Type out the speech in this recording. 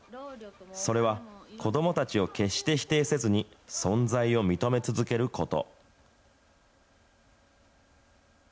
それは、子どもたちを決して否定せずに、存在を認め続けること。